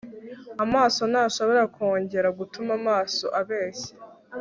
Amaso ntashobora kongera gutuma amaso abeshya